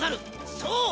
そう！